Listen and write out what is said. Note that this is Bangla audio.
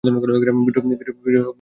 বিদ্রোহ কোনো খারাপ শব্দ না।